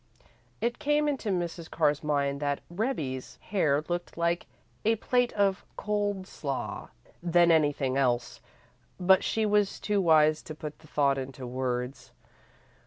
It came into Mrs. Carr's mind that "Rebbie's" hair looked more like a plate of cold slaw than anything else, but she was too wise to put the thought into words.